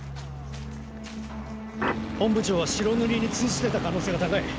本部長は白塗りに通じてた可能性が高い。